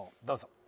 どうぞ。